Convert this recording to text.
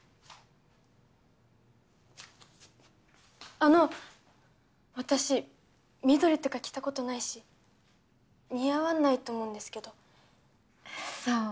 あの私緑とか着たことないし似合わないと思うんですけどそう？